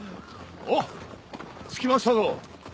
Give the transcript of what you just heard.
あっ着きましたぞ。